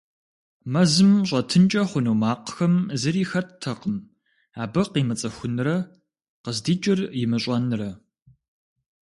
Мэзым щӏэтынкӏэ хъуну макъхэм зыри хэттэкъым абы къимыцӏыхунрэ къыздикӏыр имыщӏэнрэ.